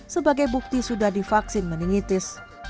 sebagai bukti sudah divaksin meningitis